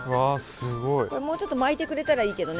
もうちょっと巻いてくれたらいいけどね